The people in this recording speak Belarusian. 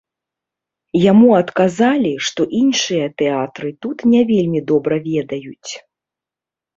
Яму адказалі, што іншыя тэатры тут не вельмі добра ведаюць.